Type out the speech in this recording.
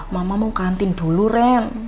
mama mau kantin dulu rem